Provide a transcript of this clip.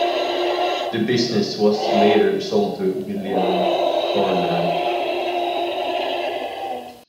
The business was later sold to William Carnan.